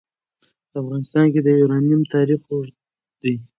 په افغانستان کې د یورانیم تاریخ اوږد دی.